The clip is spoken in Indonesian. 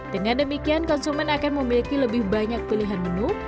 dengan demikian konsumen akan memiliki lebih banyak pilihan menu